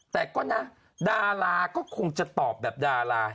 แต่ก็นะดาราก็คงจะตอบแบบดารา